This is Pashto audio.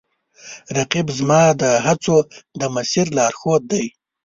رقیب زما د هڅو د مسیر لارښود دی